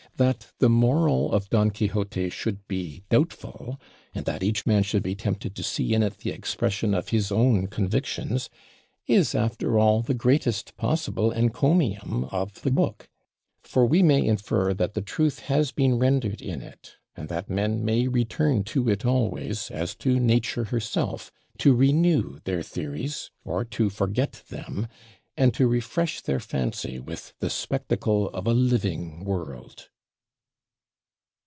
That the moral of Don Quixote should be doubtful and that each man should be tempted to see in it the expression of his own convictions, is after all the greatest possible encomium of the book. For we may infer that the truth has been rendered in it, and that men may return to it always, as to Nature herself, to renew their theories or to forget them, and to refresh their fancy with the spectacle of a living world.